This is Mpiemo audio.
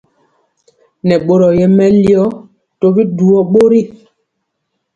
Nɛ boro yɛ melio tɔbi dujɔ bori.